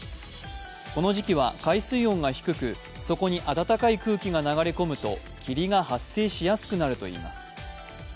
この時期は、海水温が低くそこに暖かい空気が流れ込むと霧が発生しやすくなるといいます。